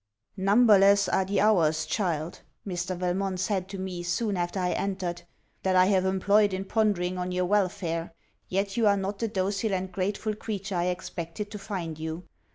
'Numberless are the hours, child,' Mr. Valmont said to me soon after I entered, 'that I have employed in pondering on your welfare: yet you are not the docile and grateful creature I expected to find you.'